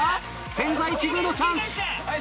千載一遇のチャンス。